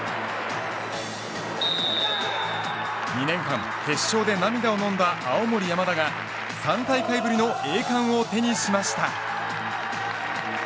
２年間、決勝で涙をのんだ青森山田が３大会ぶりの栄冠を手にしました。